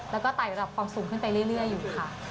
แล้วก็ไต่ระดับความสูงขึ้นไปเรื่อยอยู่ค่ะ